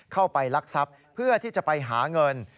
เข้าไปลักทรัพย์เพื่อที่จะไปหาเงิน